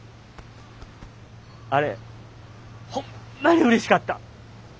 あれほんまにうれしかった。